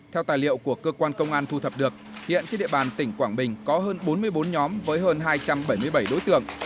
theo tài liệu của cơ quan công an thu thập được hiện trên địa bàn tỉnh quảng bình có hơn bốn mươi bốn nhóm với hơn hai trăm bảy mươi bảy đối tượng